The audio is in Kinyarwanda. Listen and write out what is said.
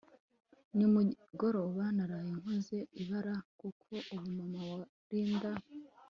nimugiroba naraye nkoze ibara kuko ubu mama wa Linda